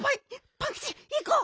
パンキチいこう。